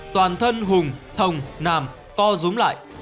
toàn thân hùng thồng nam co dúng lại